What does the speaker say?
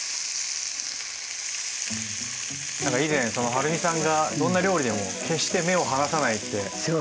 何か以前そのはるみさんがどんな料理でも決して目を離さないって。